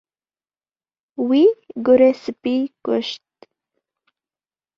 Wî gurê spî kuşt.